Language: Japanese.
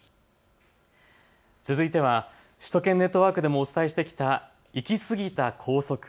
続いては首都圏ネットワークでもお伝えしてきたいきすぎた校則。